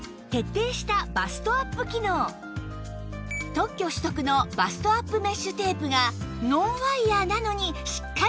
特許取得のバストアップメッシュテープがノンワイヤなのにしっかり胸を支えます